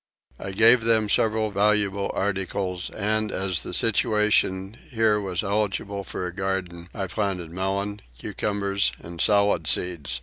I gave them several valuable articles and, as the situation here was eligible for a garden, I planted melon, cucumber, and salad seeds.